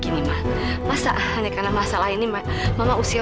ibu sama anak silahkan keluar